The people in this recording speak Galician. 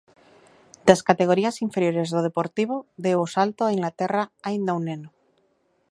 Das categorías inferiores do Deportivo deu o salto a Inglaterra aínda neno.